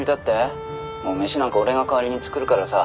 「飯なんか俺が代わりに作るからさ